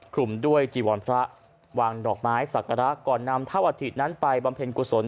คลุมด้วยจีวรพระวางดอกไม้สักการะก่อนนำเท่าอาทิตนั้นไปบำเพ็ญกุศล